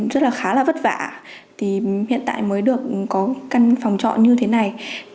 rất là khá là vất vả thì hiện tại mới được có căn phòng trọ như thế này